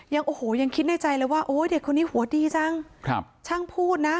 ยังขิดในใจเลยว่าเด็กคนนี้หัวดีจังช่างพูดนะ